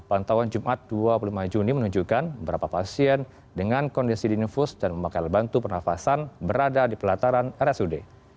pantauan jumat dua puluh lima juni menunjukkan beberapa pasien dengan kondisi dinifus dan memakai bantu pernafasan berada di pelataran rsud